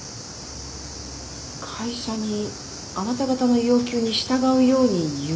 会社にあなた方の要求に従うように言えと？